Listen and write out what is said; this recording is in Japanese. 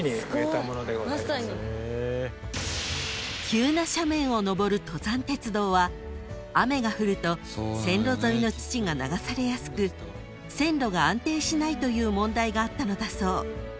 ［急な斜面を上る登山鉄道は雨が降ると線路沿いの土が流されやすく線路が安定しないという問題があったのだそう］